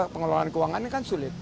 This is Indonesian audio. pengelolaan keuangannya kan sulit